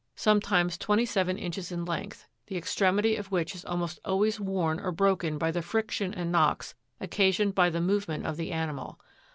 sometimes twenty seven inches in length, the extremity of which is almost always worn or broken by the friction and knocks occa sioned by the movement of the animal.